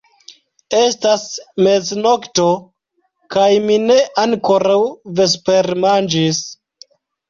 Estas meznokto, kaj mi ne ankoraŭ vespermanĝis.